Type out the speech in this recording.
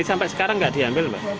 sampai sekarang nggak diambil mbak